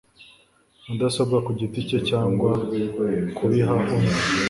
mudasobwa ku giti cye cyangwa kubiha undi